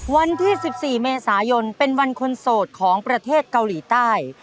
วันที่๑๔เมษายนเป็นวันคนโสดของประเทศเกาหลีใต้